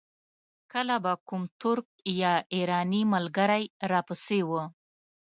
کله به کوم ترک یا ایراني ملګری را پسې و.